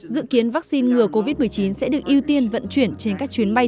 dự kiến vaccine ngừa covid một mươi chín sẽ được ưu tiên vận chuyển trên các chuyến bay